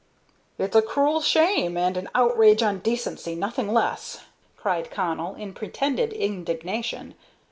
"It's a cruel shame and an outrage on dacency, nothing less!" cried Connell, in pretended indignation.